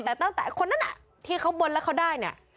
แต่ตั้งแต่คนนั้นที่เขาบนแล้วเขาได้เนี่ย